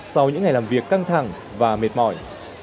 sau những ngày làm việc căng thẳng và mệt mỏi